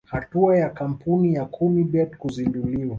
Hatua ya kampuni ya kumi bet kuzinduliwa